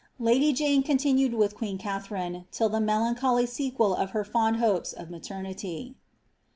Lady Jane con tinued with queen Katharine, till the melancholy sequel of her food hopes of maternity.